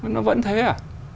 nó vẫn thế à